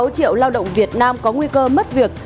bốn mươi sáu triệu lao động việt nam có nguy cơ mất việc